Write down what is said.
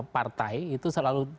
partai itu selalu